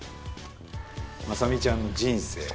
まさみちゃんの「人生」